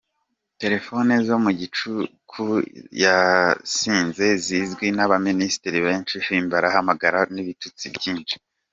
Telephone zo mu gicuku yasinze zizwi n’abaministre benshi Himbara yahamagaraga n’ibitutsi byinshi.